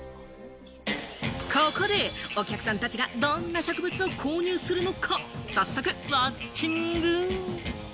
ここでお客さんたちがどんな植物を購入するのか、早速ウオッチング！